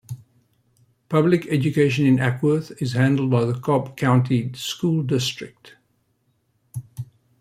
Public education in Acworth is handled by the Cobb County School District.